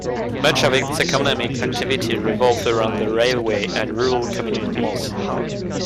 Much of its economic activity revolved around the railway and rural communities.